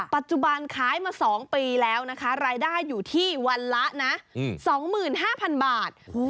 ปัจจุบันขายมา๒ปีแล้วนะคะรายได้อยู่ที่วันละนะ๒๕๐๐๐บาท